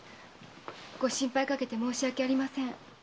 ご心配かけて申し訳ありません。